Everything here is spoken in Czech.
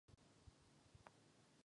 Ale mnoho se zlepšilo.